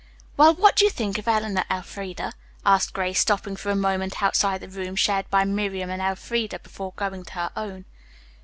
"Well, what do you think of Eleanor, Elfreda?" asked Grace, stopping for a moment outside the room shared by Miriam and Elfreda before going to her own.